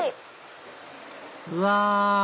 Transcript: うわ！